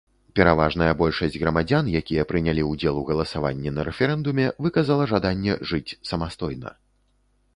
Пераважная большасць грамадзян, якія прынялі ўдзел у галасаванні на рэферэндуме, выказала жаданне жыць самастойна.